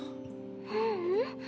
ううん。